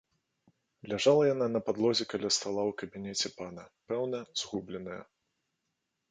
Ляжала яна на падлозе каля стала ў кабінеце пана, пэўна, згубленая.